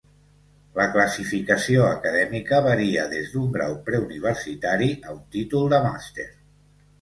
La classificació acadèmica varia des d'un grau preuniversitari a un títol de màster.